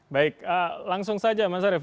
baik langsung saja mas arief